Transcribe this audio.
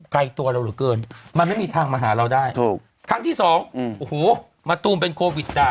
ไกลตัวเราเหลือเกินมันไม่มีทางมาหาเราได้ถูกครั้งที่สองโอ้โหมะตูมเป็นโควิดด่า